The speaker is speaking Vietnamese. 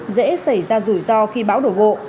dễ xảy ra rủi ro khi bão đổ bộ